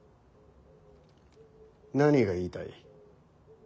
何が言いたい。